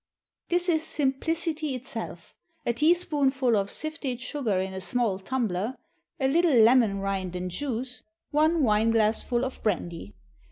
_ This is simplicity itself. A teaspoonful of sifted sugar in a small tumbler, a little lemon rind and juice, one wine glassful of brandy.